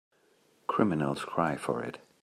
Criminals cry for it.